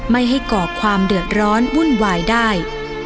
ไม่ให้ก่อความเดือดร้อนวุ่นวายได้